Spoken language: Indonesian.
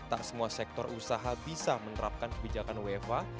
tak semua sektor usaha bisa menerapkan kebijakan wfa